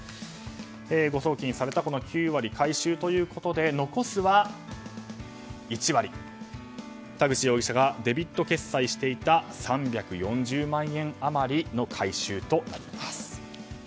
誤送金された９割回収ということで残すは１割、田口容疑者がデビット決済していた３４０万円余りの回収となります。